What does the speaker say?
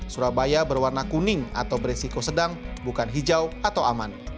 surabaya berwarna kuning atau beresiko sedang bukan hijau atau aman